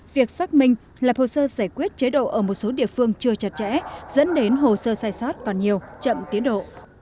việc xác minh lập hồ sơ giải quyết chế độ ở một số địa phương chưa chặt chẽ dẫn đến hồ sơ sai sót còn nhiều chậm tiến độ